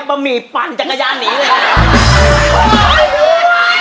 ะหมี่ปั่นจักรยานหนีเลยครับ